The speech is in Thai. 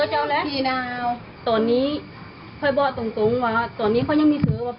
เถ้แล้วพ่อนม